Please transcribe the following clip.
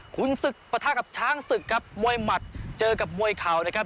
คุณศึกประทะกับช้างศึกครับมวยหมัดเจอกับมวยเข่านะครับ